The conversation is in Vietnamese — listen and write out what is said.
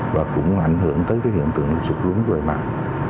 và cũng ảnh hưởng tới hiện tượng sụp lúng rời mặt